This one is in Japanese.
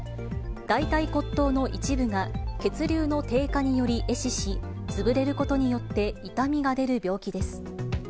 大腿骨頭の一部が血流の低下により壊死し、潰れることによって痛みが出る病気です。